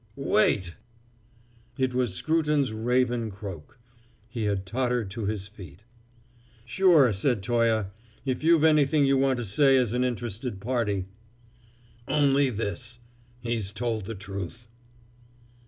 "Wait!" It was Scruton's raven croak; he had tottered to his feet. "Sure," said Toye, "if you've anything you want to say as an interested party." "Only this he's told the truth!"